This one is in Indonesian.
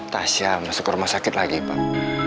tasya masuk ke rumah sakit lagi pak